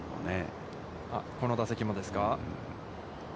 この打席もですか。